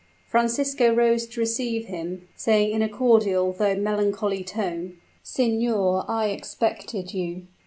Francisco rose to receive him, saying in a cordial though melancholy tone, "Signor, I expected you."